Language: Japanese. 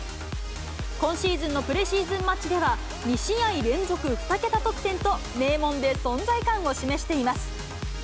今シーズンのプレシーズンマッチでは、２試合連続２桁得点と、名門で存在感を示しています。